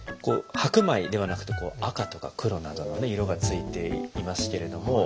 白米ではなくて赤とか黒などの色がついていますけれども。